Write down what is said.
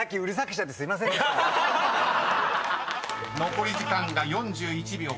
［残り時間が４１秒９０］